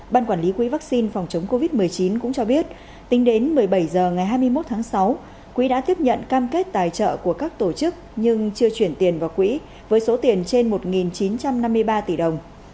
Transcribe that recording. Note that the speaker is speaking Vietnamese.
ban quản lý quỹ vaccine phòng chống covid một mươi chín cũng cho biết tính đến một mươi bảy h ngày hai mươi một tháng sáu quỹ đã tiếp nhận cam kết tài trợ của các tổ chức nhưng chưa chuyển tiền vào quỹ với số tiền trên một chín trăm năm mươi ba tỷ đồng